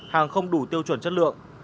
hàng không đủ tiêu chuẩn chất lượng